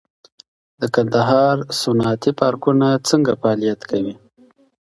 د کندهار صنعتي پارکونه څنګه فعالیت کوي؟